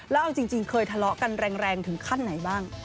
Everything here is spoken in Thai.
แล้วเอาจริงเคยทะเลาะกันแรงถึงขั้นไหนบ้าง